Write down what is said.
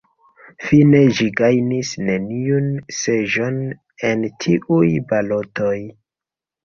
Fine ĝi gajnis neniun seĝon en tiuj balotoj.